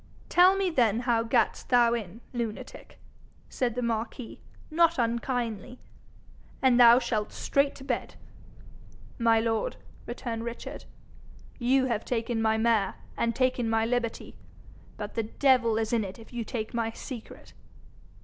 'Tell me then how gat'st thou in, lunatic,' said the marquis, not unkindly, 'and thou shalt straight to bed.' 'My lord,' returned Richard, 'you have taken my mare, and taken my liberty, but the devil is in it if you take my secret.'